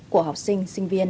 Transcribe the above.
của học sinh sinh viên